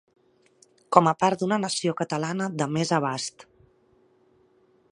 com a part d'una nació catalana de més abast